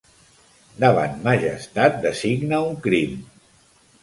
Davant majestat designa un crim.